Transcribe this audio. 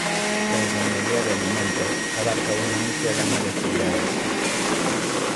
La ingeniería de alimentos abarca una amplia gama de actividades.